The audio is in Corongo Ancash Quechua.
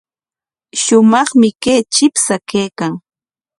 Shumaqmi kay chipsha kaykan.